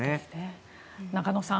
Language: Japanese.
中野さん